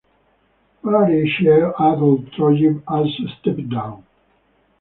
Party chair Athol Trollip also stepped down.